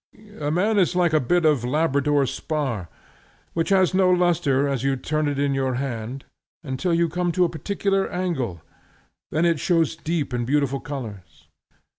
A man is like a bit of Labrador spar, which has no lustre as you turn it in your hand until you come to a particular angle; then it shows deep and beautiful colors.